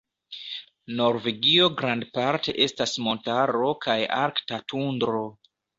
Norvegio grandparte estas montaro kaj arkta tundro.